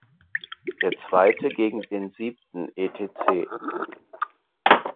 Der Zweite gegen den siebten etc.